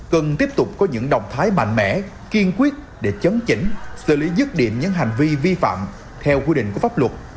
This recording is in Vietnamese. cần tiếp tục có những động thái mạnh mẽ kiên quyết để chấn chỉnh xử lý dứt điểm những hành vi vi phạm theo quy định của pháp luật